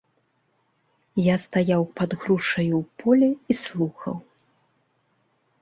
Я стаяў пад грушаю ў полі і слухаў.